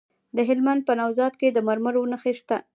د هلمند په نوزاد کې د مرمرو نښې شته.